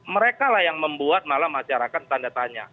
mereka lah yang membuat malah masyarakat tanda tanya